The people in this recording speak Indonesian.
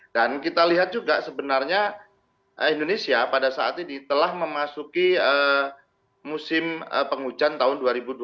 dan kita lihat juga sebenarnya indonesia pada saat ini telah memasuki musim penghujan tahun dua ribu dua puluh dua ribu dua puluh dua dua ribu dua puluh tiga